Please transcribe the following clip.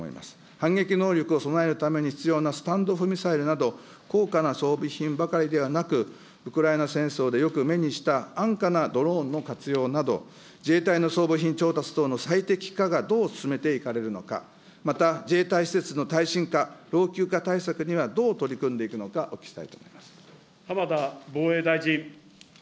反撃能力を備えるために必要なスタンド・オフ・ミサイルなど、高価な装備品ばかりではなく、ウクライナ戦争でよく目にした安価なドローンの活用など、自衛隊の装備品調達の最適化がどう進めていかれるのか、また自衛隊施設の耐震化、老朽化対策にはどう取り組んでいくのか、お聞きしたいと思います。